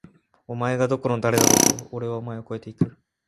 お前がどこの誰だろうと！！おれはお前を超えて行く！！